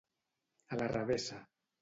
A la revessa.